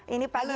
ini pagi hari